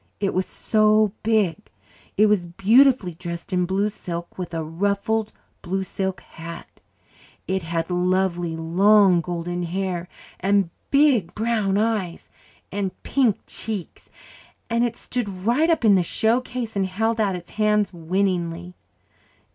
It was so big; it was beautifully dressed in blue silk, with a ruffled blue silk hat; it had lovely long golden hair and big brown eyes and pink cheeks; and it stood right up in the showcase and held out its hands winningly.